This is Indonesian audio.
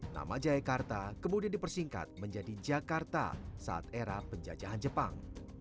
nama jayakarta kemudian dipersingkat menjadi jakarta saat era penjajahan jepang